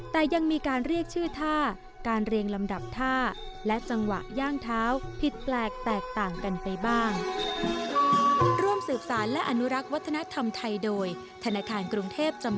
แต่ยังมีการเรียกชื่อท่าการเรียงลำดับท่าและจังหวะย่างเท้าผิดแปลกแตกต่างกันไปบ้าง